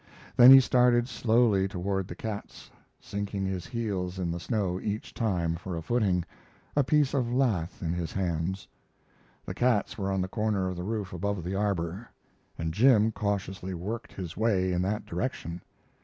Then he started slowly toward the cats, sinking his heels in the snow each time for a footing, a piece of lath in his hand. The cats were on the corner of the roof above the arbor, and Jim cautiously worked his way in that direction.